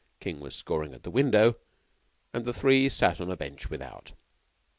King was scoring at the window, and the three sat on a bench without.